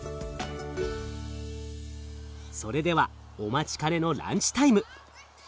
それではお待ちかねのランチタイム。